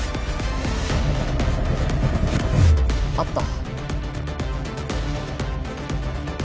あった